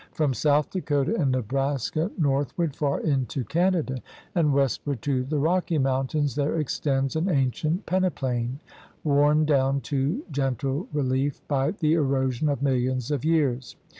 From South Dakota and Nebraska northward far into Canada and westward to the Rocky Mountains there extends an ancient peneplain worn down to gentle relief by the erosion of millions of years.